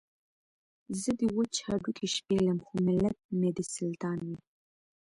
زه دې وچ هډوکي شپېلم خو ملت مې دې سلطان وي.